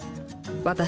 私